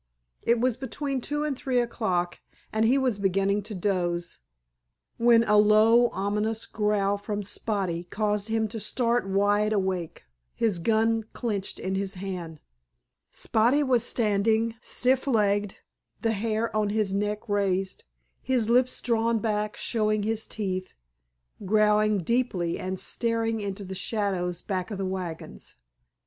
It was between two and three o'clock, and he was beginning to doze, when a low, ominous growl from Spotty caused him to start wide awake, his gun clenched in his hand. Spotty was standing, stiff legged, the hair on his neck raised, his lips drawn back showing his teeth, growling deeply and staring into the shadows back of the wagons.